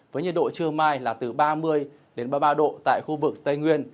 với nhiệt độ trưa mai là từ ba mươi ba mươi ba độ tại khu vực tây nguyên